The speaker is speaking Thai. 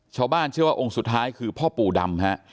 ชาวบ้านเชื่อว่าองค์สุดท้ายคือพ่อปู่ดำฮะ